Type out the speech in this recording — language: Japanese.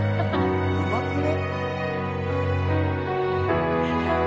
うまくね？